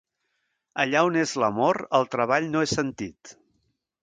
Allà on és l'amor el treball no és sentit.